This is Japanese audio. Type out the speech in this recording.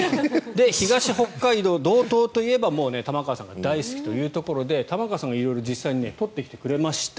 東北海道、道東といえばもう玉川さんが大好きというところで玉川さんが色々、実際に撮ってきてくれました。